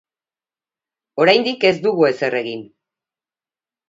Oraindik ez dugu ezer egin.